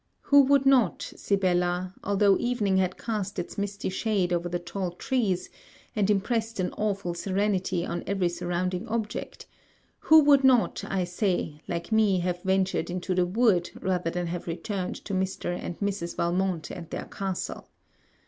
Who would not, Sibella, although evening had cast its misty shade over the tall trees and impressed an awful serenity on every surrounding object, who would not, I say, like me have ventured into the wood rather than have returned to Mr. and Mrs. Valmont and their castle.